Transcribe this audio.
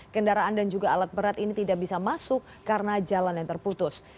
kendaraan dan juga alat berat ini tidak bisa masuk karena jalan yang terputus